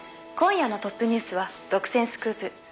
「今夜のトップニュースは独占スクープ